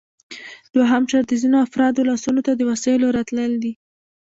دوهم شرط د ځینو افرادو لاسونو ته د وسایلو راتلل دي